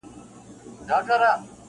پوليس کار پای ته رسوي او ورو ورو وځي,